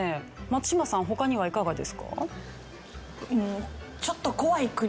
松嶋さん他にはいかがですか？